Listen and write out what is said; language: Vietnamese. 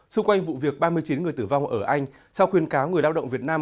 xung quanh vụ việc ba mươi chín người tử vong ở anh sau khuyên cáo người lao động việt nam